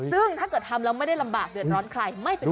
ซึ่งถ้าเกิดทำแล้วไม่ได้ลำบากเดือดร้อนใครไม่เป็นไร